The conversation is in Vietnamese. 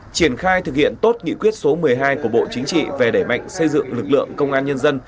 triển khai thực hiện tốt nghị quyết số một mươi hai của bộ chính trị về đẩy mạnh xây dựng lực lượng công an nhân dân